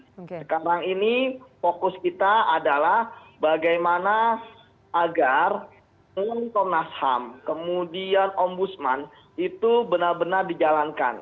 sekarang ini fokus kita adalah bagaimana agar komnas ham kemudian ombudsman itu benar benar dijalankan